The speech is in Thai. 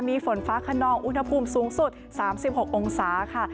มีฝนฟ้าขนองอุณหภูมิสูงสุด๓๖องศาค่ะ